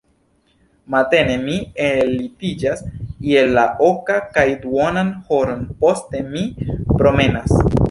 Matene mi ellitiĝas je la oka, kaj duonan horon poste mi promenas.